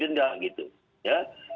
denda orang dipisahkan di denda itu